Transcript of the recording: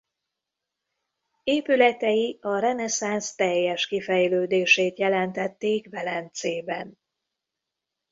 Épületei a reneszánsz teljes kifejlődését jelentették Velencében.